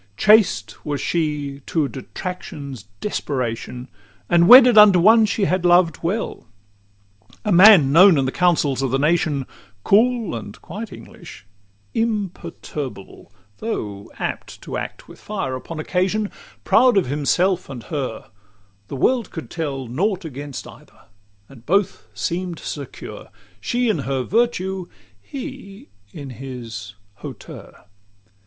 XIV Chaste was she, to detraction's desperation, And wedded unto one she had loved well A man known in the councils of the nation, Cool, and quite English, imperturbable, Though apt to act with fire upon occasion, Proud of himself and her: the world could tell Nought against either, and both seem'd secure She in her virtue, he in his hauteur.